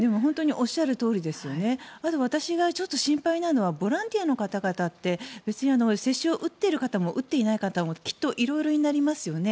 おっしゃるとおりで私が心配なのはボランティアの方々ってワクチンを打っている方も打っていない方もきっといろいろになりますよね。